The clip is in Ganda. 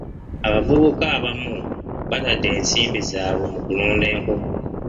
Abavubuka abamu batadde ensimbi zaabwe mu kulunda enkoko.